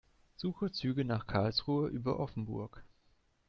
Suche Züge nach Karlsruhe über Offenburg.